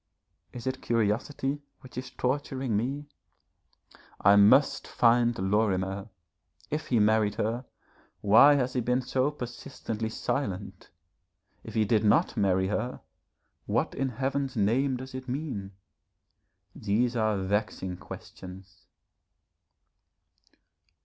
Is it curiosity which is torturing me? I must find Lorimer. If he married her, why has he been so persistently silent? If he did not marry her, what in Heaven's name does it mean? These are vexing questions.